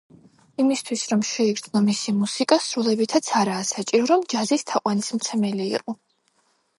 იმისათვის რომ შეიგრძნო მისი მუსიკა, სრულებითაც არაა საჭირო რომ ჯაზის თაყვანისმცემელი იყო.